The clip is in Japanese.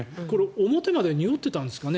表までにおってたんですかね。